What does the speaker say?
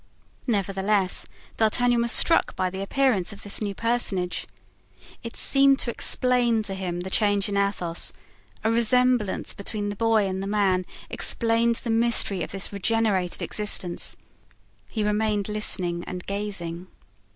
Nevertheless, D'Artagnan was struck by the appearance of this new personage. It seemed to explain to him the change in Athos; a resemblance between the boy and the man explained the mystery of this regenerated existence. He remained listening and gazing.